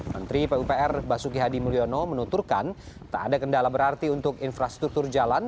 menteri pupr basuki hadi mulyono menuturkan tak ada kendala berarti untuk infrastruktur jalan